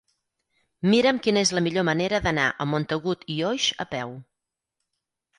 Mira'm quina és la millor manera d'anar a Montagut i Oix a peu.